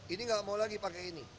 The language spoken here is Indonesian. ini nggak mau lagi pakai ini